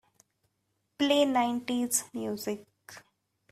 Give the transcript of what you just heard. Play nineties music.